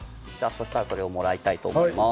そうしたら、その調味料をもらいたいと思います。